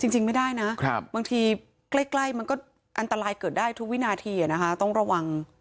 จริงไม่ได้นะบางทีใกล้มันก็อันตรายเกิดได้ทุกวินาทีต้องระวัง